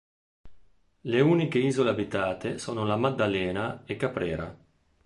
Le uniche isole abitate sono La Maddalena e Caprera.